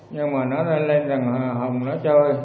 nhưng mà nó lên thằng hồng nó chơi